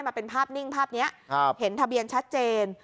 มาเป็นภาพนิ่งภาพนี้เห็นทะเบียนชัดเจน